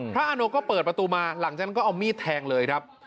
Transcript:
อาโนก็เปิดประตูมาหลังจากนั้นก็เอามีดแทงเลยครับ